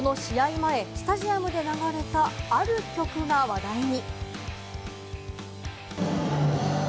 前、スタジアムで流れた、ある曲が話題に。